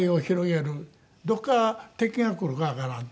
どこから敵が来るかわからん。